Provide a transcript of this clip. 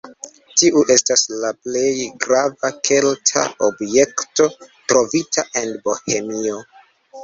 Tiu estas la plej grava kelta objekto trovita en Bohemio.